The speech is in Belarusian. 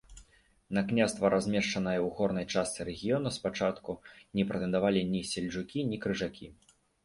На княства, размешчанае ў горнай частцы рэгіёна, спачатку не прэтэндавалі ні сельджукі, ні крыжакі.